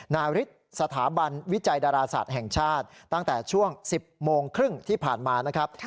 นาริสสถาบันวิจัยดาราศาสตร์แห่งชาติตั้งแต่ช่วง๑๐โมงครึ่งที่ผ่านมานะครับ